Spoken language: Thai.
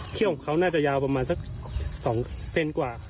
ของเขาน่าจะยาวประมาณสัก๒เซนกว่า